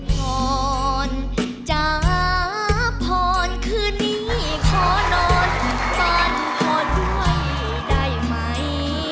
พรจ๊ะพรคืนนี้ขอโน่นบ้านคนด้วยได้ไหม